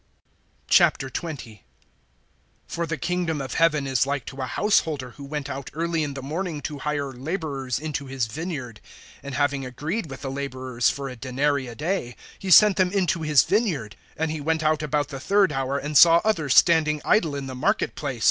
XX. FOR the kingdom of heaven is like to a householder, who went out early in the morning to hire laborers into his vineyard. (2)And having agreed with the laborers for a denary[20:2] a day, he sent them into his vineyard. (3)And he went out about the third hour, and saw others standing idle in the market place.